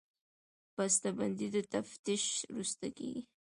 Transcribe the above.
بسته بندي د تفتیش وروسته کېږي.